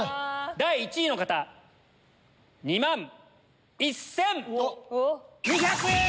第１位の方２万１千２００円！